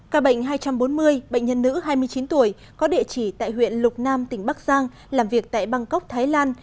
ca bệnh hai trăm bốn mươi bệnh nhân nữ hai mươi chín tuổi có địa chỉ tại huyện lục nam tỉnh bắc giang làm việc tại bangkok thái lan